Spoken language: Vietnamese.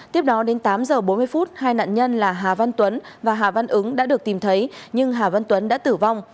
tiếp đó đến tám giờ bốn mươi phút hai nạn nhân là hà văn tuấn và hà văn ứng đã được tìm thấy nhưng hà văn tuấn đã tử vong